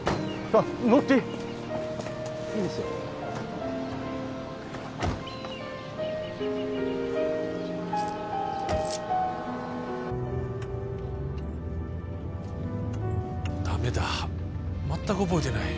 まったく覚えてない。